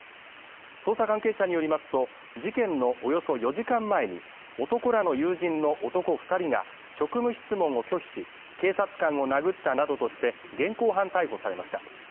捜査関係者によりますと、事件のおよそ４時間前に男らの友人の男２人が職務質問を拒否し、警察官を殴ったなどとして現行犯逮捕されました。